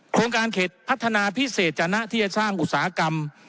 โครงการเขตพัฒนาพิเศษจนะที่จะสร้างอุตสาหกรรม